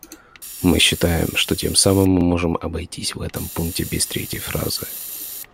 Мы считаем, что тем самым мы можем обойтись в этом пункте без третьей фразы.